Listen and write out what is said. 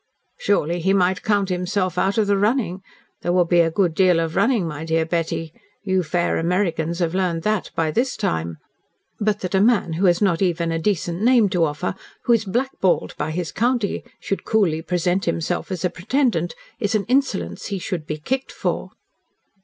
"Surely he might count himself out of the running. There will be a good deal of running, my dear Betty. You fair Americans have learned that by this time. But that a man who has not even a decent name to offer who is blackballed by his county should coolly present himself as a pretendant is an insolence he should be kicked for."